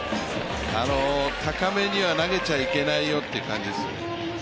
高めには投げちゃいけないよいう感じですね。